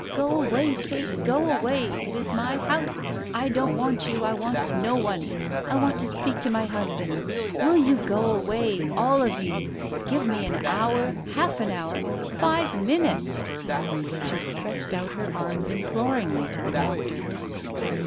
"Go away, Kate, go away ! It is my house. I don't want you, I want no. one — I want to speak to my husband. Will you go away — all of you. Give me an hour, half an hour — five minutes I " She stretched out her arms imploringly to the doctor.